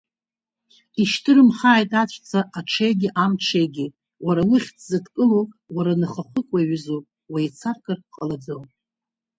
Ишьҭырымхааит аҵәца аҽеигьы, амҽеигьы, уара ухьӡзыдкылоу, уара ныхахәык уаҩызоуп, уеицаркыр ҟалаӡом.